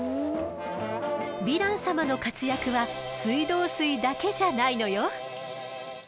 ヴィラン様の活躍は水道水だけじゃないのよ。